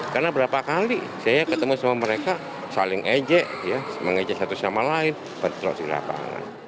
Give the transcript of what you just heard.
karena berapa kali saya ketemu sama mereka saling ejek mengejek satu sama lain betul di lapangan